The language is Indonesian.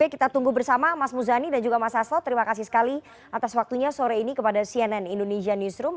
kita tunggu bersama mas muzani dan juga mas hasto terima kasih sekali atas waktunya sore ini kepada cnn indonesia newsroom